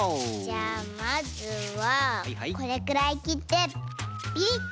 じゃまずはこれくらいきってビリッピ。